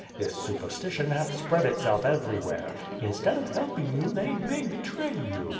This superstition hath spread itself everywhere. Instead of helping you they may betray you.